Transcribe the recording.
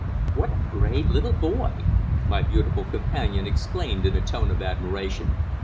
"What a brave little boy," my beautiful companion exclaimed in a tone of admiration.